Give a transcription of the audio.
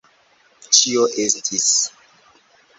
Ĉio estis.